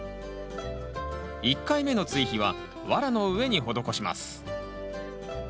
１回目の追肥はワラの上に施します。